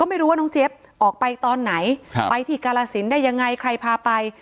ไม่รู้ว่าน้องเจี๊ยบออกไปตอนไหนไปที่กาลสินได้ยังไงใครพาไป